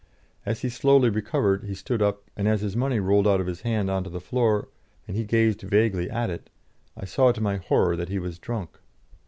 As he slowly recovered he stood up, and as his money rolled out of his hand on to the floor, and he gazed vaguely at it, I saw to my horror that he was drunk.